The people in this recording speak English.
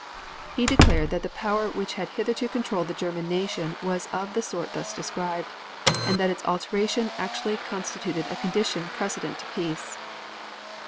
He declared that the power which had hitherto controlled the German nation was of the sort thus described, and that its alteration actually constituted a condition precedent to peace.